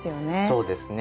そうですね。